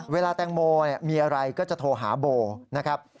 เวลาแตงโมมีอะไรก็จะโทรหาโบนะครับ